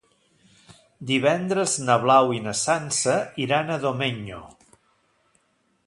Divendres na Blau i na Sança iran a Domenyo.